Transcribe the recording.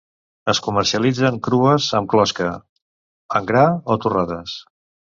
Es comercialitzen crues amb closca, en gra o torrades.